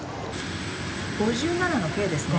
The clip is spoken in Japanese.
５７のＫですね。